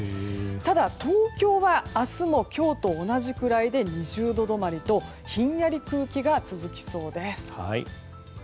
ただ、東京は明日も今日と同じぐらいで２０度止まりとひんやり空気が続きそうです。